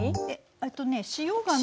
えっとね塩がね